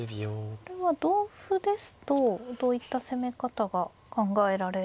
これは同歩ですとどういった攻め方が考えられるんでしょうか。